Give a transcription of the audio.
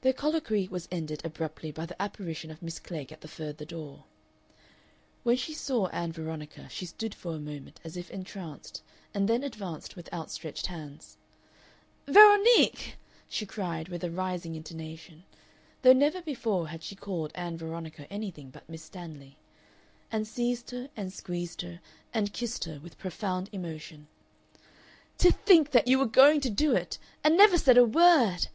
Their colloquy was ended abruptly by the apparition of Miss Klegg at the further door. When she saw Ann Veronica she stood for a moment as if entranced, and then advanced with outstretched hands. "Veronique!" she cried with a rising intonation, though never before had she called Ann Veronica anything but Miss Stanley, and seized her and squeezed her and kissed her with profound emotion. "To think that you were going to do it and never said a word!